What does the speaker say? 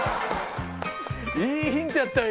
いいヒントやったよ